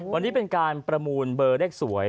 วันนี้เป็นการประมูลเบอร์เลขสวย